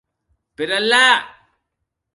Per Allà!